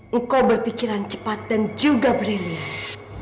engkau berpikiran cepat dan juga brilian